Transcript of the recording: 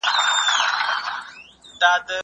بې وزله خلګ باید د عدالت له حقه بې برخي نه وي.